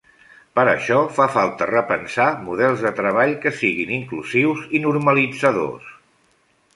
Per això, fa falta repensar models de treball que siguin inclusius i normalitzadors.